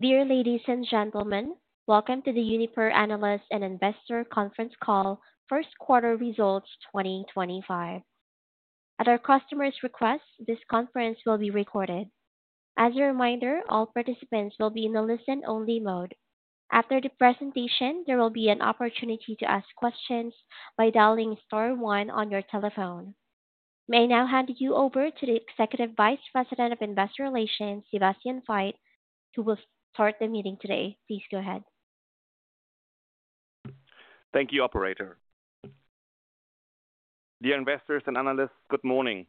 Dear ladies and gentlemen, welcome to the Uniper Analysts and Investors Conference call, First Quarter Results 2025. At our customers' request, this conference will be recorded. As a reminder, all participants will be in a listen-only mode. After the presentation, there will be an opportunity to ask questions by dialing *1 on your telephone. May I now hand you over to the Executive Vice President of Investor Relations, Sebastian Veit, who will start the meeting today. Please go ahead. Thank you, Operator. Dear investors and analysts, good morning.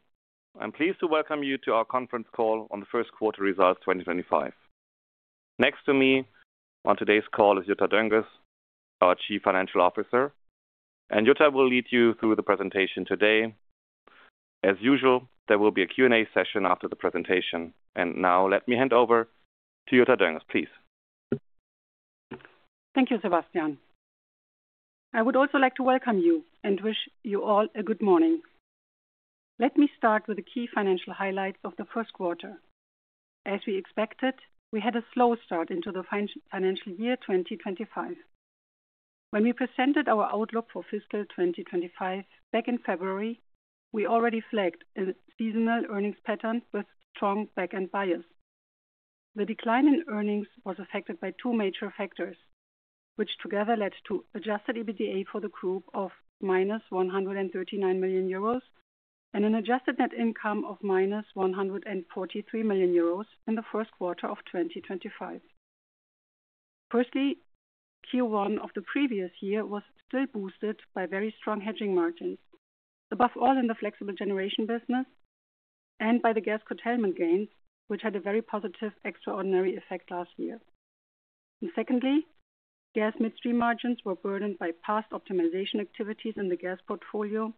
I'm pleased to welcome you to our conference call on the first quarter results 2025. Next to me on today's call is Jutta Dönges, our Chief Financial Officer, and Jutta will lead you through the presentation today. As usual, there will be a Q&A session after the presentation. Now, let me hand over to Jutta Dönges, please. Thank you, Sebastian. I would also like to welcome you and wish you all a good morning. Let me start with the key financial highlights of the first quarter. As we expected, we had a slow start into the financial year 2025. When we presented our outlook for fiscal 2025 back in February, we already flagged a seasonal earnings pattern with strong back-end bias. The decline in earnings was affected by two major factors, which together led to adjusted EBITDA for the group of -139 million euros and an adjusted net income of -143 million euros in the first quarter of 2025. Firstly, Q1 of the previous year was still boosted by very strong hedging margins, above all in the flexible generation business, and by the gas curtailment gains, which had a very positive extraordinary effect last year. Gas midstream margins were burdened by past optimization activities in the gas portfolio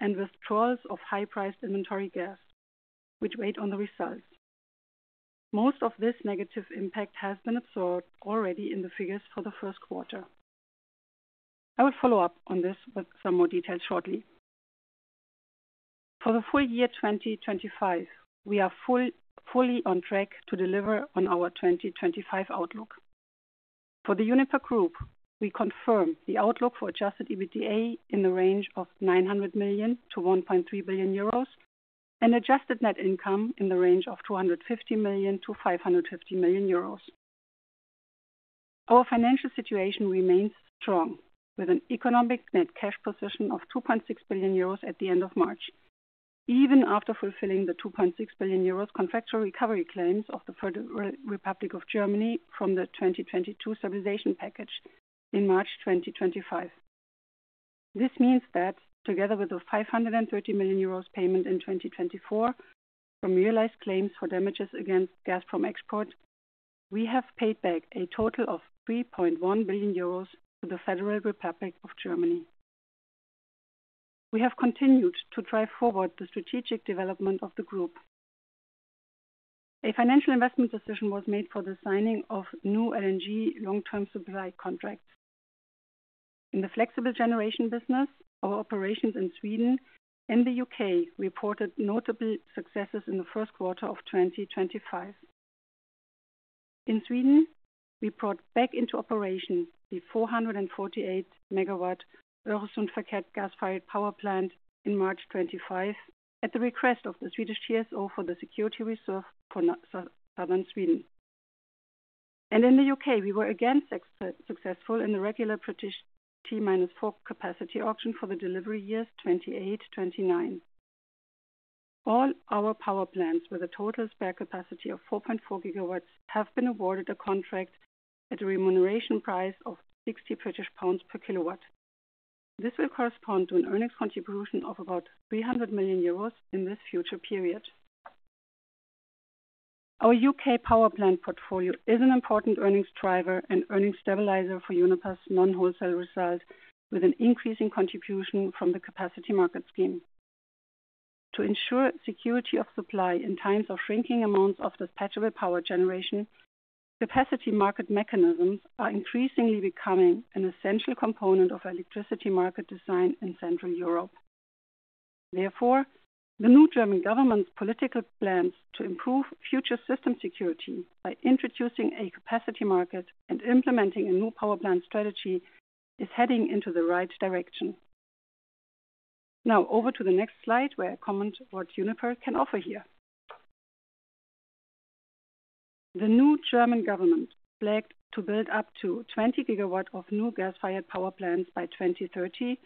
and withdrawals of high-priced inventory gas, which weighed on the results. Most of this negative impact has been absorbed already in the figures for the first quarter. I will follow up on this with some more details shortly. For the full year 2025, we are fully on track to deliver on our 2025 outlook. For the Uniper Group, we confirm the outlook for adjusted EBITDA in the range of 900 million-1.3 billion euros and adjusted net income in the range of 250 million-550 million euros. Our financial situation remains strong, with an economic net cash position of 2.6 billion euros at the end of March, even after fulfilling the 2.6 billion euros contractual recovery claims of the Federal Republic of Germany from the 2022 stabilization package in March 2025. This means that, together with the 530 million euros payment in 2024 from realized claims for damages against Gazprom Export, we have paid back a total of 3.1 billion euros to the Federal Republic of Germany. We have continued to drive forward the strategic development of the group. A financial investment decision was made for the signing of new LNG long-term supply contracts. In the flexible generation business, our operations in Sweden and the U.K. reported notable successes in the first quarter of 2025. In Sweden, we brought back into operation the 448-megawatt Öresund Verkehrsgasfried power plant in March 2025 at the request of the Swedish TSO for the security reserve for southern Sweden. In the U.K., we were again successful in the regular T-4 capacity auction for the delivery years 2028-2029. All our power plants, with a total spare capacity of 4.4 gigawatts, have been awarded a contract at a remuneration price of 60 British pounds per kilowatt. This will correspond to an earnings contribution of about 300 million euros in this future period. Our U.K. power plant portfolio is an important earnings driver and earnings stabilizer for Uniper's non-wholesale result, with an increasing contribution from the capacity market scheme. To ensure security of supply in times of shrinking amounts of dispatchable power generation, capacity market mechanisms are increasingly becoming an essential component of electricity market design in Central Europe. Therefore, the new German government's political plans to improve future system security by introducing a capacity market and implementing a new power plant strategy are heading in the right direction. Now, over to the next slide, where I comment on what Uniper can offer here. The new German government plans to build up to 20 gigawatts of new gas-fired power plants by 2030,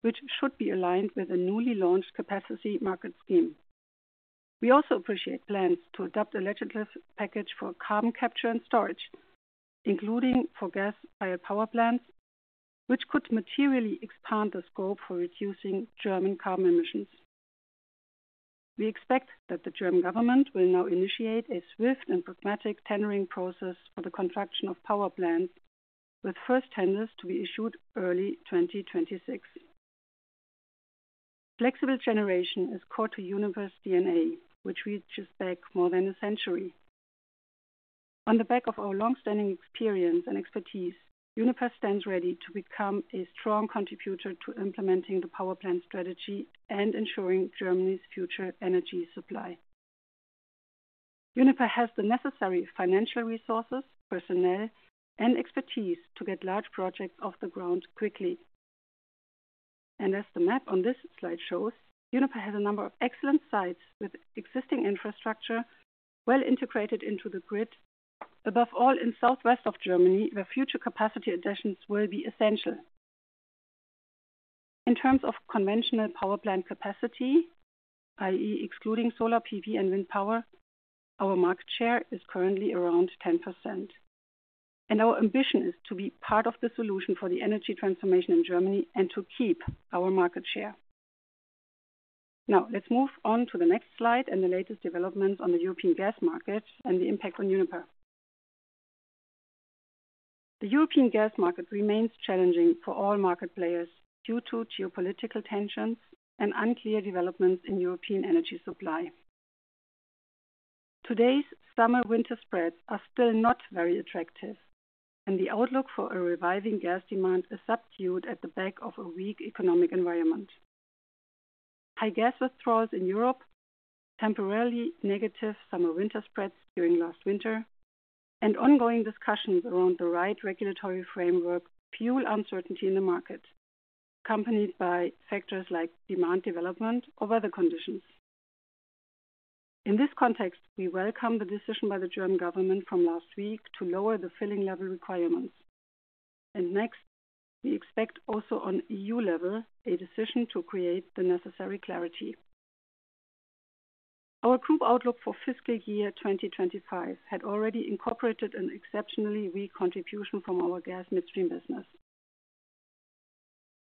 which should be aligned with a newly launched capacity market scheme. We also appreciate plans to adopt a legislative package for carbon capture and storage, including for gas-fired power plants, which could materially expand the scope for reducing German carbon emissions. We expect that the German government will now initiate a swift and pragmatic tendering process for the construction of power plants, with first tenders to be issued early 2026. Flexible generation is core to Uniper's DNA, which reaches back more than a century. On the back of our long-standing experience and expertise, Uniper stands ready to become a strong contributor to implementing the power plant strategy and ensuring Germany's future energy supply. Uniper has the necessary financial resources, personnel, and expertise to get large projects off the ground quickly. As the map on this slide shows, Uniper has a number of excellent sites with existing infrastructure well integrated into the grid, above all in southwest Germany, where future capacity additions will be essential. In terms of conventional power plant capacity, i.e., excluding solar, PV, and wind power, our market share is currently around 10%. Our ambition is to be part of the solution for the energy transformation in Germany and to keep our market share. Now, let's move on to the next slide and the latest developments on the European gas market and the impact on Uniper. The European gas market remains challenging for all market players due to geopolitical tensions and unclear developments in European energy supply. Today's summer-winter spreads are still not very attractive, and the outlook for a reviving gas demand is subdued at the back of a weak economic environment. High gas withdrawals in Europe, temporarily negative summer-winter spreads during last winter, and ongoing discussions around the right regulatory framework fuel uncertainty in the market, accompanied by factors like demand development or weather conditions. In this context, we welcome the decision by the German government from last week to lower the filling level requirements. Next, we expect also on EU level a decision to create the necessary clarity. Our group outlook for fiscal year 2025 had already incorporated an exceptionally weak contribution from our gas midstream business.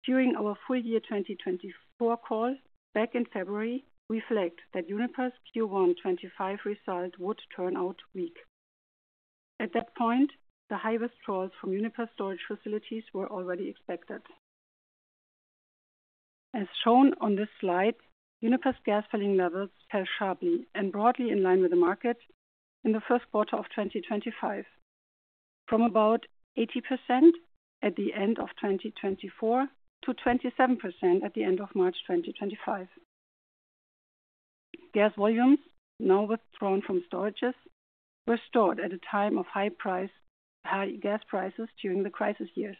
During our full year 2024 call back in February, we flagged that Uniper's Q1-25 result would turn out weak. At that point, the high withdrawals from Uniper's storage facilities were already expected. As shown on this slide, Uniper's gas filling levels fell sharply and broadly in line with the market in the first quarter of 2025, from about 80% at the end of 2024 to 27% at the end of March 2025. Gas volumes, now withdrawn from storages, were stored at a time of high gas prices during the crisis years.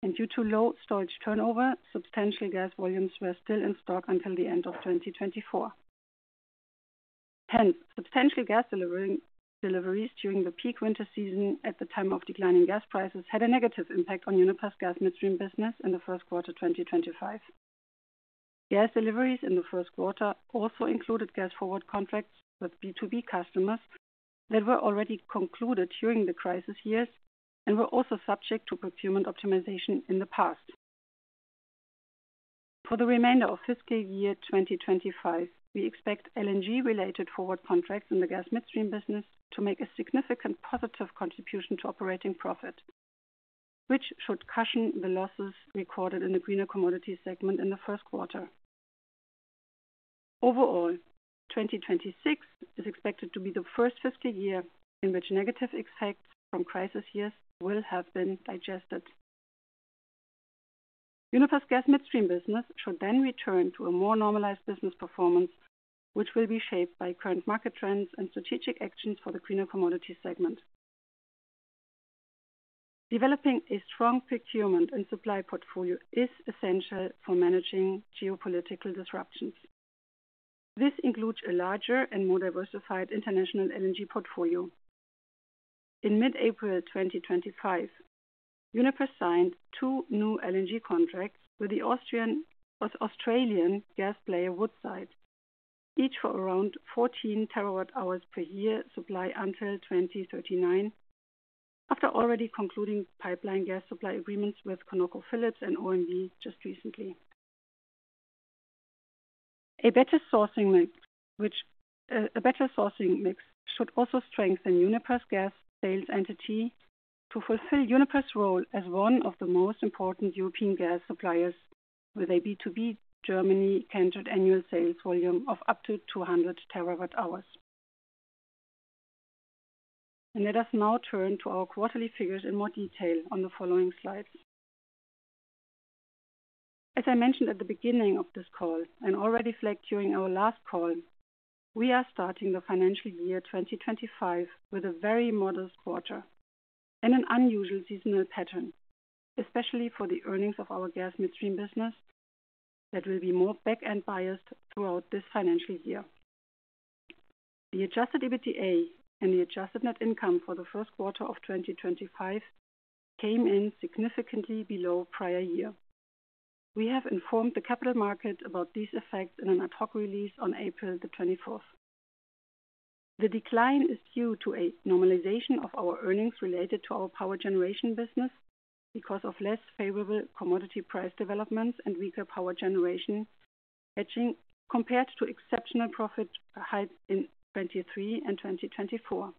Due to low storage turnover, substantial gas volumes were still in stock until the end of 2024. Hence, substantial gas deliveries during the peak winter season at the time of declining gas prices had a negative impact on Uniper's gas midstream business in the first quarter 2025. Gas deliveries in the first quarter also included gas-forward contracts with B2B customers that were already concluded during the crisis years and were also subject to procurement optimization in the past. For the remainder of fiscal year 2025, we expect LNG-related forward contracts in the gas midstream business to make a significant positive contribution to operating profit, which should cushion the losses recorded in the greener commodity segment in the first quarter. Overall, 2026 is expected to be the first fiscal year in which negative effects from crisis years will have been digested. Uniper's gas midstream business should then return to a more normalized business performance, which will be shaped by current market trends and strategic actions for the greener commodity segment. Developing a strong procurement and supply portfolio is essential for managing geopolitical disruptions. This includes a larger and more diversified international LNG portfolio. In mid-April 2025, Uniper signed two new LNG contracts with the Australian gas player Woodside, each for around 14 terawatt-hours per year supply until 2039, after already concluding pipeline gas supply agreements with ConocoPhillips and OMV just recently. A better sourcing mix should also strengthen Uniper's gas sales entity to fulfill Uniper's role as one of the most important European gas suppliers, with a B2B Germany-centered annual sales volume of up to 200 terawatt-hours. Let us now turn to our quarterly figures in more detail on the following slides. As I mentioned at the beginning of this call and already flagged during our last call, we are starting the financial year 2025 with a very modest quarter and an unusual seasonal pattern, especially for the earnings of our gas midstream business that will be more back-end biased throughout this financial year. The adjusted EBITDA and the adjusted net income for the first quarter of 2025 came in significantly below prior year. We have informed the capital markets about these effects in an ad-hoc release on April the 24th. The decline is due to a normalization of our earnings related to our power generation business because of less favorable commodity price developments and weaker power generation hedging compared to exceptional profit highs in 2023 and 2024.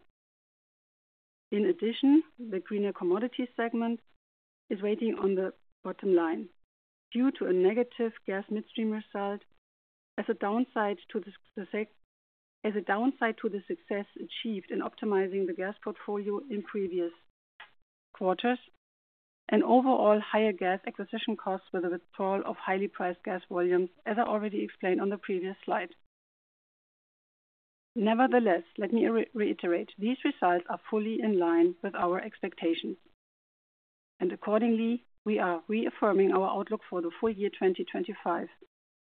In addition, the greener commodity segment is weighing on the bottom line due to a negative gas midstream result as a downside to the success achieved in optimizing the gas portfolio in previous quarters and overall higher gas acquisition costs with the withdrawal of highly priced gas volumes, as I already explained on the previous slide. Nevertheless, let me reiterate, these results are fully in line with our expectations. Accordingly, we are reaffirming our outlook for the full year 2025,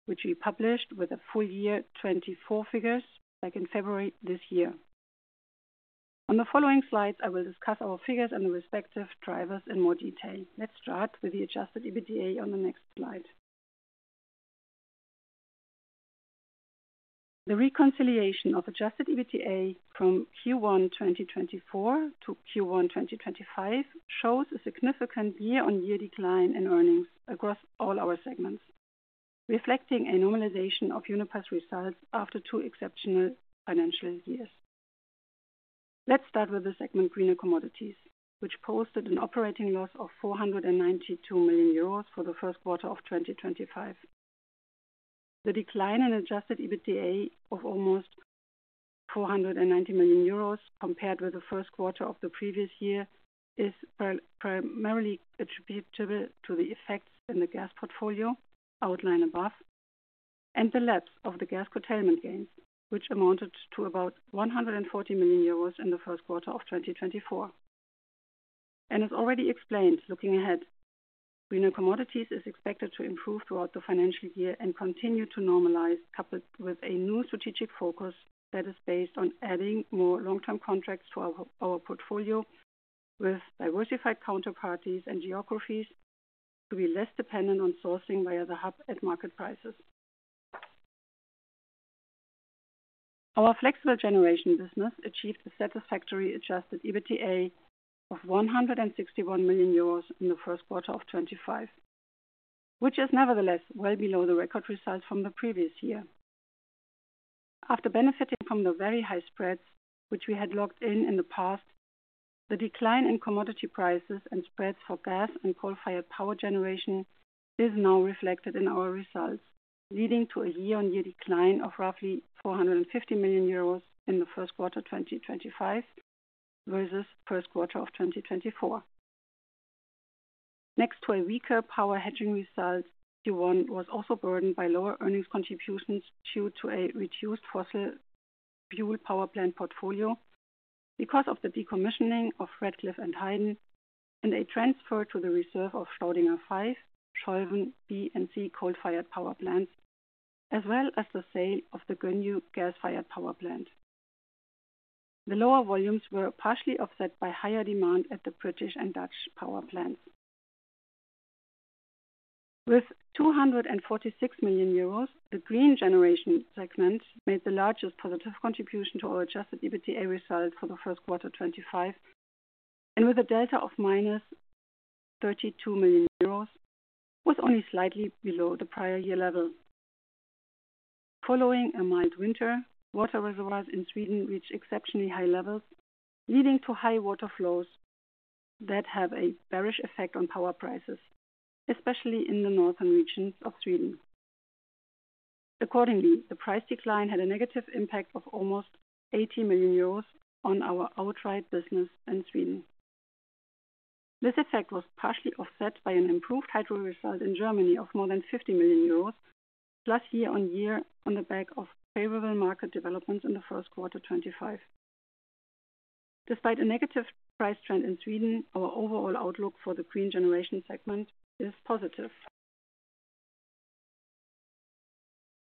which we published with the full year 2024 figures back in February this year. On the following slides, I will discuss our figures and the respective drivers in more detail. Let's start with the adjusted EBITDA on the next slide. The reconciliation of adjusted EBITDA from Q1 2024 to Q1 2025 shows a significant year-on-year decline in earnings across all our segments, reflecting a normalization of Uniper's results after two exceptional financial years. Let's start with the segment greener commodities, which posted an operating loss of 492 million euros for the first quarter of 2025. The decline in adjusted EBITDA of almost 490 million euros compared with the first quarter of the previous year is primarily attributable to the effects in the gas portfolio outlined above and the lapse of the gas curtailment gains, which amounted to about 140 million euros in the first quarter of 2024. As already explained, looking ahead, greener commodities is expected to improve throughout the financial year and continue to normalize, coupled with a new strategic focus that is based on adding more long-term contracts to our portfolio with diversified counterparties and geographies to be less dependent on sourcing via the hub at market prices. Our flexible generation business achieved a satisfactory adjusted EBITDA of 161 million euros in the first quarter of 2025, which is nevertheless well below the record result from the previous year. After benefiting from the very high spreads which we had locked in in the past, the decline in commodity prices and spreads for gas and coal-fired power generation is now reflected in our results, leading to a year-on-year decline of roughly 450 million euros in the first quarter 2025 versus first quarter of 2024. Next to a weaker power hedging result, Q1 was also burdened by lower earnings contributions due to a reduced fossil fuel power plant portfolio because of the decommissioning of Ratcliffe and Hayden and a transfer to the reserve of Schrödinger 5, Scholven B, and C coal-fired power plants, as well as the sale of the Gönnu gas-fired power plant. The lower volumes were partially offset by higher demand at the British and Dutch power plants. With 246 million euros, the green generation segment made the largest positive contribution to our adjusted EBITDA result for the first quarter 2025, and with a delta of -32 million euros, it was only slightly below the prior year level. Following a mild winter, water reservoirs in Sweden reached exceptionally high levels, leading to high water flows that have a bearish effect on power prices, especially in the northern regions of Sweden. Accordingly, the price decline had a negative impact of almost 80 million euros on our outright business in Sweden. This effect was partially offset by an improved hydro result in Germany of more than 50 million euros, plus year-on-year on the back of favorable market developments in the first quarter 2025. Despite a negative price trend in Sweden, our overall outlook for the green generation segment is positive.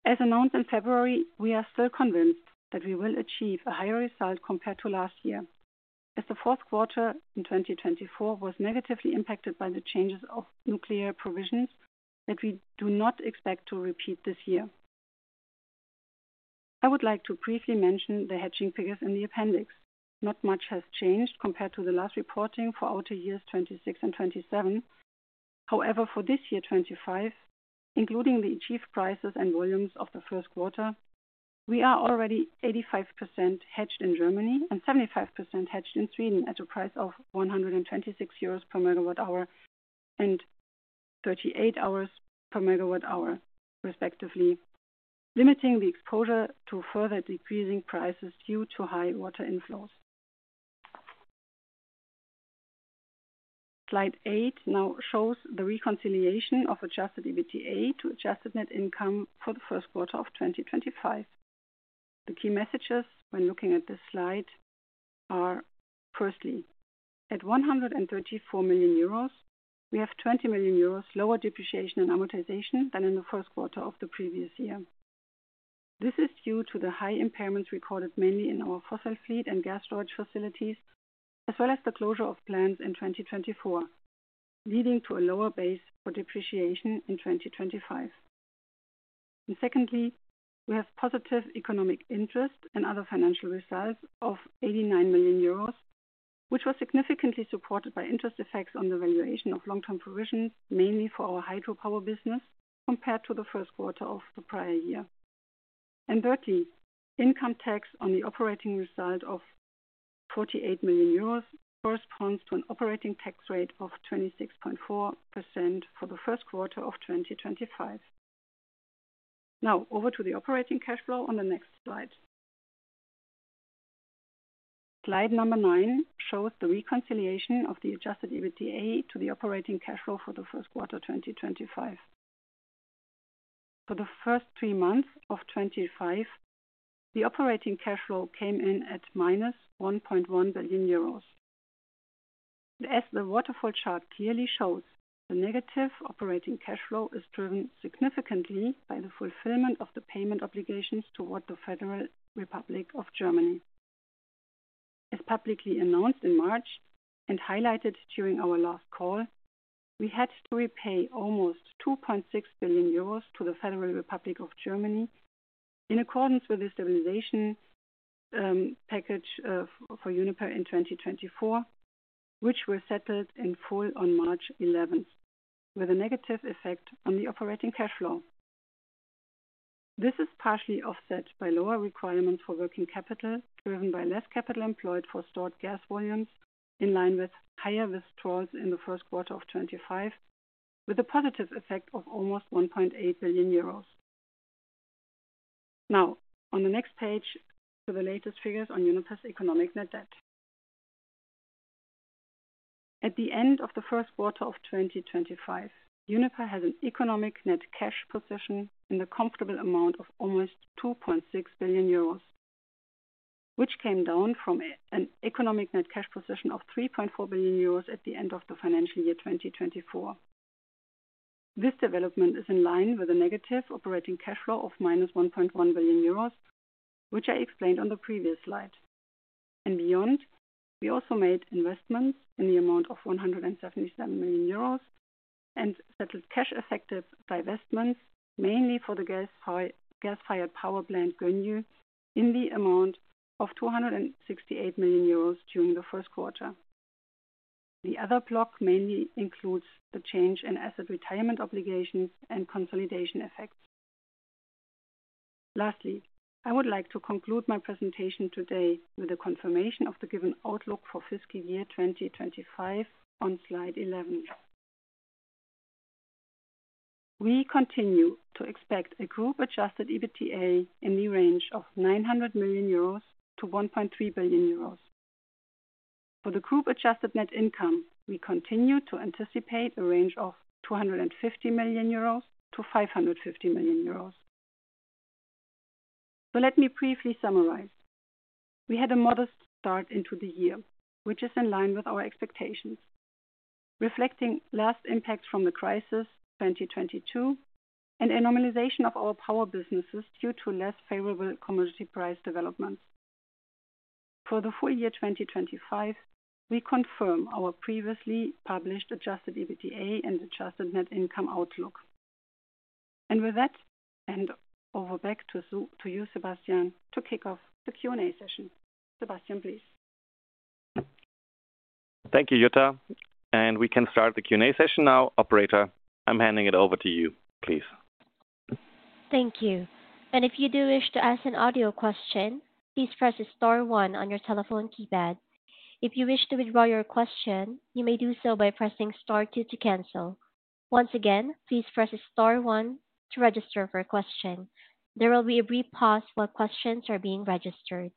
As announced in February, we are still convinced that we will achieve a higher result compared to last year, as the fourth quarter in 2024 was negatively impacted by the changes of nuclear provisions that we do not expect to repeat this year. I would like to briefly mention the hedging figures in the appendix. Not much has changed compared to the last reporting for outer years 2026 and 2027. However, for this year 2025, including the achieved prices and volumes of the first quarter, we are already 85% hedged in Germany and 75% hedged in Sweden at a price of 126 euros per megawatt-hour and 38 per megawatt-hour, respectively, limiting the exposure to further decreasing prices due to high water inflows. Slide 8 now shows the reconciliation of adjusted EBITDA to adjusted net income for the first quarter of 2025. The key messages when looking at this slide are, firstly, at 134 million euros, we have 20 million euros lower depreciation and amortization than in the first quarter of the previous year. This is due to the high impairments recorded mainly in our fossil fleet and gas storage facilities, as well as the closure of plants in 2024, leading to a lower base for depreciation in 2025. Secondly, we have positive economic interest and other financial results of 89 million euros, which were significantly supported by interest effects on the valuation of long-term provisions, mainly for our hydropower business compared to the first quarter of the prior year. Thirdly, income tax on the operating result of 48 million euros corresponds to an operating tax rate of 26.4% for the first quarter of 2025. Now, over to the operating cash flow on the next slide. Slide number 9 shows the reconciliation of the adjusted EBITDA to the operating cash flow for the first quarter 2025. For the first three months of 2025, the operating cash flow came in at -1.1 billion euros. As the waterfall chart clearly shows, the negative operating cash flow is driven significantly by the fulfillment of the payment obligations toward the Federal Republic of Germany. As publicly announced in March and highlighted during our last call, we had to repay almost 2.6 billion euros to the Federal Republic of Germany in accordance with the stabilization package for Uniper in 2024, which was settled in full on March 11th, with a negative effect on the operating cash flow. This is partially offset by lower requirements for working capital, driven by less capital employed for stored gas volumes, in line with higher withdrawals in the first quarter of 2025, with a positive effect of almost 1.8 billion euros. Now, on the next page to the latest figures on Uniper's economic net debt. At the end of the first quarter of 2025, Uniper has an economic net cash position in the comfortable amount of almost 2.6 billion euros, which came down from an economic net cash position of 3.4 billion euros at the end of the financial year 2024. This development is in line with a negative operating cash flow of minus 1.1 billion euros, which I explained on the previous slide. Beyond, we also made investments in the amount of 177 million euros and settled cash-effective divestments, mainly for the gas-fired power plant Gönnu, in the amount of 268 million euros during the first quarter. The other block mainly includes the change in asset retirement obligations and consolidation effects. Lastly, I would like to conclude my presentation today with a confirmation of the given outlook for fiscal year 2025 on slide 11. We continue to expect a group adjusted EBITDA in the range of 900 million-1.3 billion euros. For the group adjusted net income, we continue to anticipate a range of 250 million-550 million euros. Let me briefly summarize. We had a modest start into the year, which is in line with our expectations, reflecting last impacts from the crisis 2022 and a normalization of our power businesses due to less favorable commodity price developments. For the full year 2025, we confirm our previously published adjusted EBITDA and adjusted net income outlook. With that, I hand over back to you, Sebastian, to kick off the Q&A session. Sebastian, please. Thank you, Jutta. We can start the Q&A session now, Operator. I am handing it over to you, please. Thank you. If you do wish to ask an audio question, please press Star 1 on your telephone keypad. If you wish to withdraw your question, you may do so by pressing Star 2 to cancel. Once again, please press Star 1 to register for a question. There will be a brief pause while questions are being registered.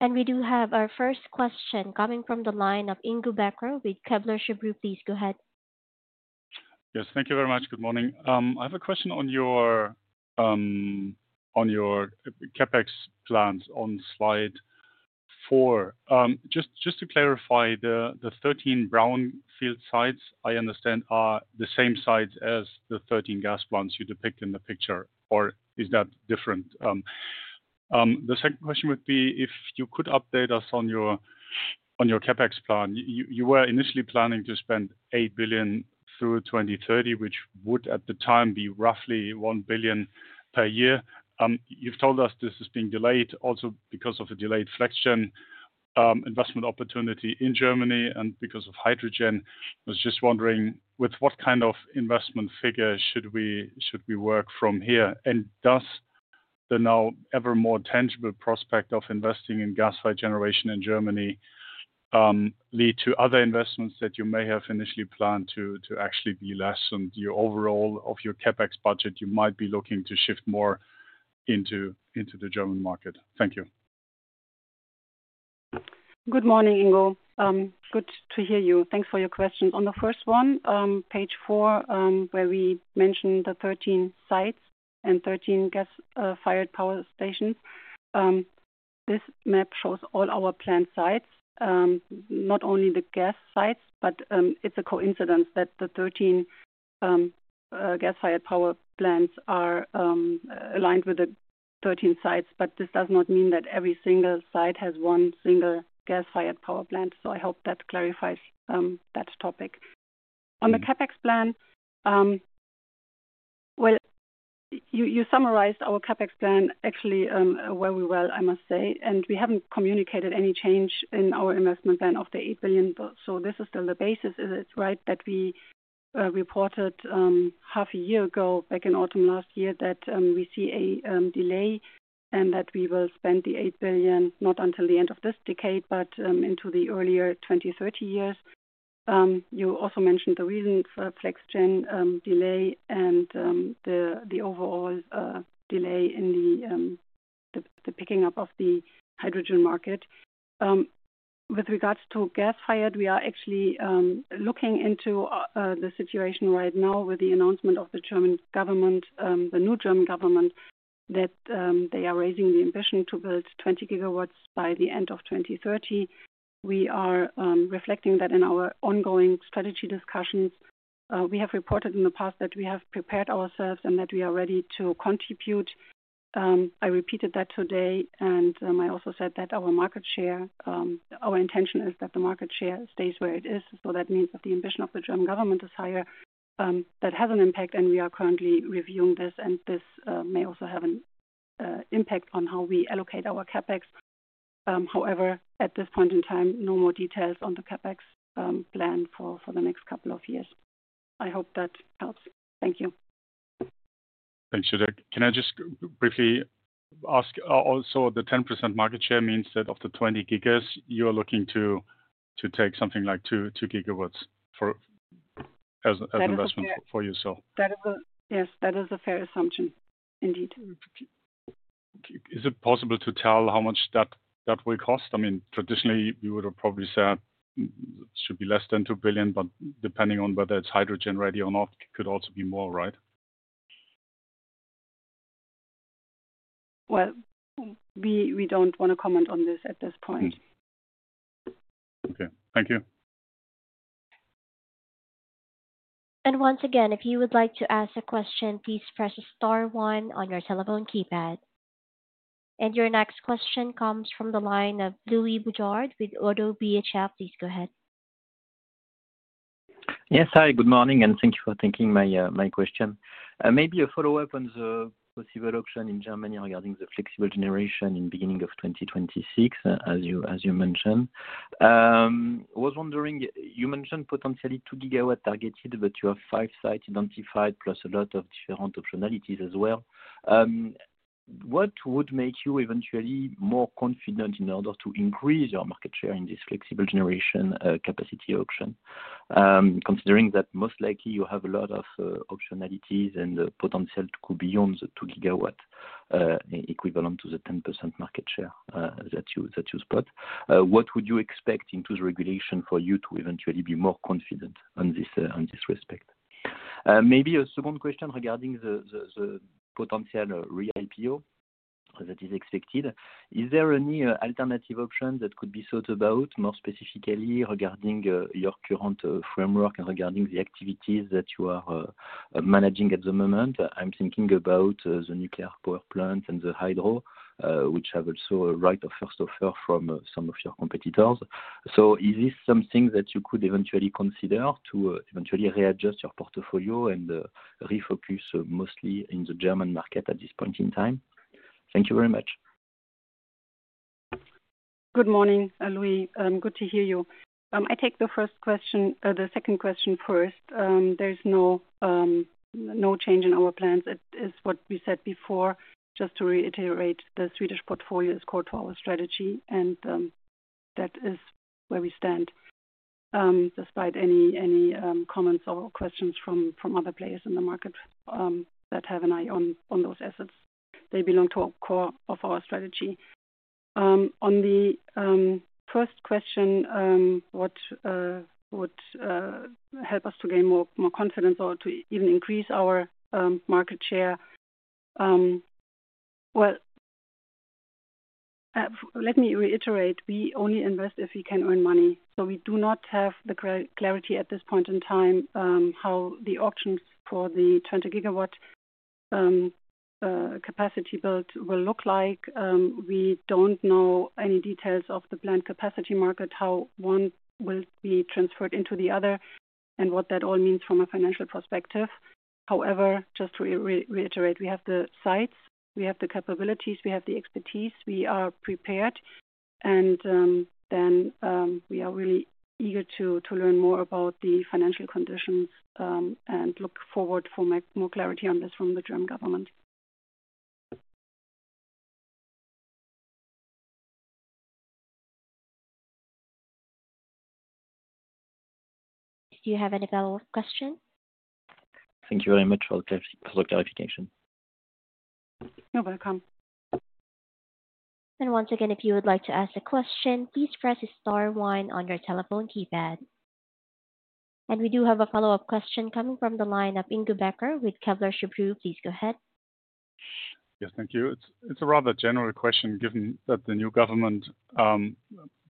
We do have our first question coming from the line of Ingo Bäcker, with Kepler Cheuvreux. Please go ahead. Yes, thank you very much. Good morning. I have a question on your CapEx plans on slide 4. Just to clarify, the 13 brownfield sites, I understand, are the same sites as the 13 gas plants you depict in the picture, or is that different? The second question would be if you could update us on your CapEx plan. You were initially planning to spend 8 billion through 2030, which would at the time be roughly 1 billion per year. You've told us this is being delayed also because of a delayed FlexGen investment opportunity in Germany and because of hydrogen. I was just wondering, with what kind of investment figure should we work from here? Does the now ever more tangible prospect of investing in gas-fired generation in Germany lead to other investments that you may have initially planned to actually be less? Your overall CapEx budget, you might be looking to shift more into the German market. Thank you. Good morning, Ingo. Good to hear you. Thanks for your question. On the first one, page 4, where we mentioned the 13 sites and 13 gas-fired power stations, this map shows all our planned sites, not only the gas sites, but it's a coincidence that the 13 gas-fired power plants are aligned with the 13 sites, but this does not mean that every single site has one single gas-fired power plant. I hope that clarifies that topic. On the CapEx plan, you summarized our CapEx plan actually very well, I must say, and we haven't communicated any change in our investment plan of 8 billion. This is still the basis, is it right, that we reported half a year ago back in autumn last year that we see a delay and that we will spend 8 billion not until the end of this decade, but into the earlier 2030 years? You also mentioned the reason for FlexGen delay and the overall delay in the picking up of the hydrogen market. With regards to gas-fired, we are actually looking into the situation right now with the announcement of the German government, the new German government, that they are raising the ambition to build 20 gigawatts by the end of 2030. We are reflecting that in our ongoing strategy discussions. We have reported in the past that we have prepared ourselves and that we are ready to contribute. I repeated that today, and I also said that our market share, our intention is that the market share stays where it is. That means that the ambition of the German government is higher. That has an impact, and we are currently reviewing this, and this may also have an impact on how we allocate our CapEx. However, at this point in time, no more details on the CapEx plan for the next couple of years. I hope that helps. Thank you. Thanks, Jutta. Can I just briefly ask also the 10% market share means that of the 20 gigawatts, you are looking to take something like 2 gigawatts as an investment for yourself? Yes, that is a fair assumption, indeed. Is it possible to tell how much that will cost? I mean, traditionally, you would have probably said it should be less than 2 billion, but depending on whether it's hydrogen-ready or not, it could also be more, right? We do not want to comment on this at this point. Thank you. Once again, if you would like to ask a question, please press Star 1 on your telephone keypad. Your next question comes from the line of Louis Bujard with Oddo BHF. Please go ahead. Yes, hi. Good morning, and thank you for taking my question. Maybe a follow-up on the possible option in Germany regarding the flexible generation in the beginning of 2026, as you mentioned. I was wondering, you mentioned potentially 2 gigawatt targeted, but you have five sites identified plus a lot of different optionalities as well. What would make you eventually more confident in order to increase your market share in this flexible generation capacity auction, considering that most likely you have a lot of optionalities and potential to go beyond the 2 gigawatt equivalent to the 10% market share that you spot? What would you expect into the regulation for you to eventually be more confident on this respect? Maybe a second question regarding the potential re-IPO that is expected. Is there any alternative option that could be thought about more specifically regarding your current framework and regarding the activities that you are managing at the moment? I'm thinking about the nuclear power plants and the hydro, which have also a right of first offer from some of your competitors. Is this something that you could eventually consider to eventually readjust your portfolio and refocus mostly in the German market at this point in time? Thank you very much. Good morning, Louis. Good to hear you. I take the second question first. There is no change in our plans. It is what we said before. Just to reiterate, the Swedish portfolio is core to our strategy, and that is where we stand, despite any comments or questions from other players in the market that have an eye on those assets. They belong to a core of our strategy. On the first question, what would help us to gain more confidence or to even increase our market share? I mean, let me reiterate. We only invest if we can earn money. We do not have the clarity at this point in time how the auctions for the 20 gigawatt capacity build will look like. We do not know any details of the planned capacity market, how one will be transferred into the other, and what that all means from a financial perspective. However, just to reiterate, we have the sites, we have the capabilities, we have the expertise, we are prepared, and we are really eager to learn more about the financial conditions and look forward for more clarity on this from the German government. Do you have any follow-up question? Thank you very much for the clarification. You're welcome. Once again, if you would like to ask a question, please press Star 1 on your telephone keypad. We do have a follow-up question coming from the line of Ingo Bäcker with Kepler Cheuvreux. Please go ahead. Yes, thank you. It's a rather general question given that the new government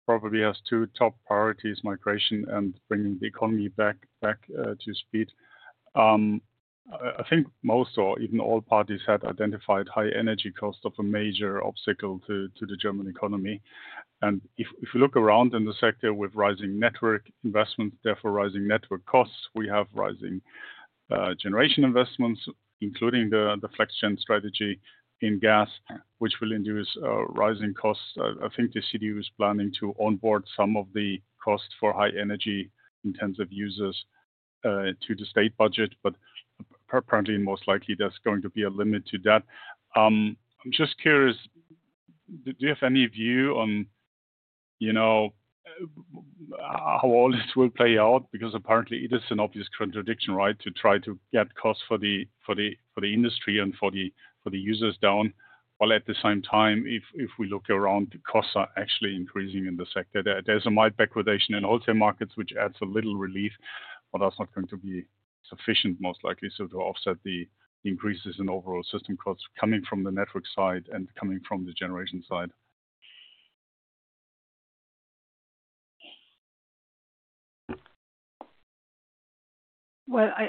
probably has two top priorities: migration and bringing the economy back to speed. I think most or even all parties had identified high energy costs as a major obstacle to the German economy. If you look around in the sector with rising network investments, therefore rising network costs, we have rising generation investments, including the FlexGen strategy in gas, which will induce rising costs. I think the CDU is planning to onboard some of the costs for high energy-intensive users to the state budget, but apparently, most likely, there's going to be a limit to that. I'm just curious, do you have any view on how all this will play out? Because apparently, it is an obvious contradiction, right, to try to get costs for the industry and for the users down, while at the same time, if we look around, the costs are actually increasing in the sector. There is a mild backwardation in wholesale markets, which adds a little relief, but that is not going to be sufficient, most likely, to offset the increases in overall system costs coming from the network side and coming from the generation side.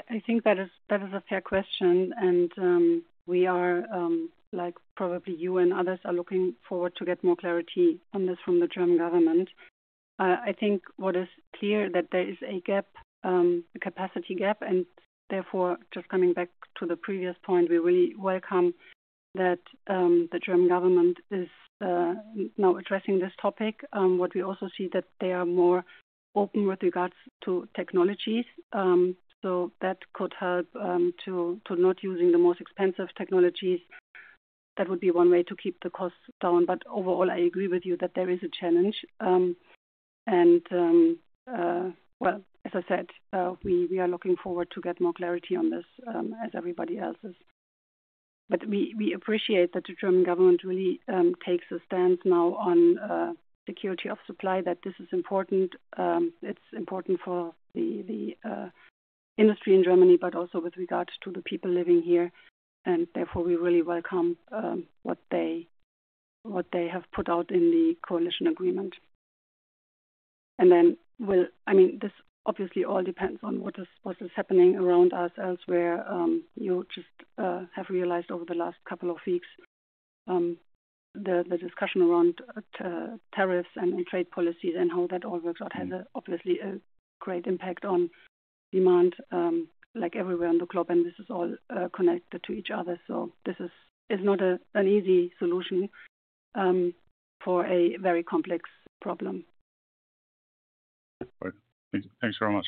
I think that is a fair question, and we are, like probably you and others, looking forward to get more clarity on this from the German government. I think what is clear is that there is a gap, a capacity gap, and therefore, just coming back to the previous point, we really welcome that the German government is now addressing this topic. What we also see is that they are more open with regards to technologies. That could help to not use the most expensive technologies. That would be one way to keep the costs down. Overall, I agree with you that there is a challenge. As I said, we are looking forward to getting more clarity on this as everybody else is. We appreciate that the German government really takes a stance now on security of supply, that this is important. It is important for the industry in Germany, but also with regards to the people living here. Therefore, we really welcome what they have put out in the coalition agreement. I mean, this obviously all depends on what is happening around us elsewhere. You just have realized over the last couple of weeks that the discussion around tariffs and trade policies and how that all works out has obviously a great impact on demand everywhere on the globe, and this is all connected to each other. This is not an easy solution for a very complex problem. Thanks very much.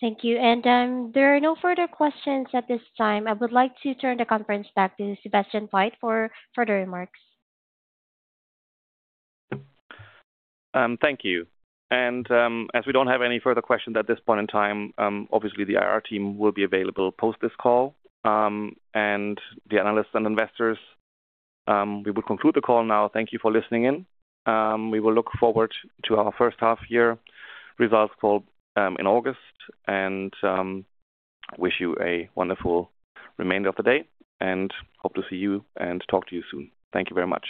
Thank you. There are no further questions at this time. I would like to turn the conference back to Sebastian Veit for further remarks. Thank you. As we do not have any further questions at this point in time, obviously, the IR team will be available post this call. The analysts and investors, we will conclude the call now. Thank you for listening in. We will look forward to our first half-year results call in August, and I wish you a wonderful remainder of the day and hope to see you and talk to you soon. Thank you very much.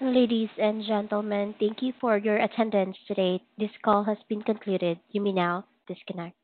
Ladies and gentlemen, thank you for your attendance today. This call has been concluded. You may now disconnect.